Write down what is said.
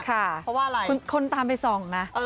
ค่ะคนตามไปส่องนะ